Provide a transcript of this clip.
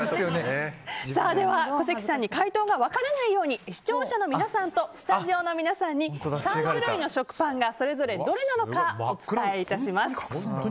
では、小関さんに回答が分からないように視聴者の皆さんとスタジオの皆さんに３種類の食パンがそれぞれどれなのかお伝え致します。